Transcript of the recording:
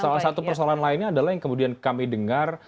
salah satu persoalan lainnya adalah yang kemudian kami dengar